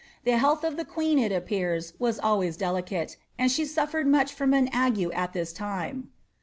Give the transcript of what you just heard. The h^tli oi the queen, it appears, was always delicate, and she suf f.red niuch from an ague at this time.